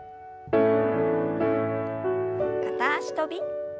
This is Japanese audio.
片脚跳び。